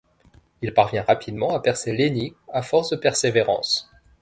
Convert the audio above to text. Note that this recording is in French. Il parvient rapidement à percer l'énigme à force de persévérance.